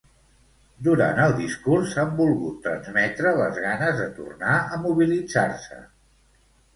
Durant el discurs han volgut transmetre les ganes de tornar a mobilitzar-se.